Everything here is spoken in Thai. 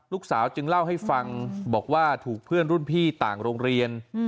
จึงเล่าให้ฟังบอกว่าถูกเพื่อนรุ่นพี่ต่างโรงเรียน